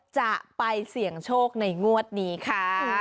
จะไปเสี่ยงโชคในงวดนี้ค่ะ